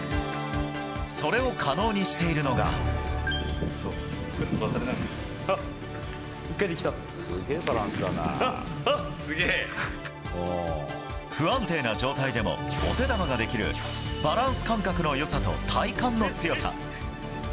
それを可能にしているのが不安定な状態でもお手玉ができるバランス感覚の良さと体幹の強さ。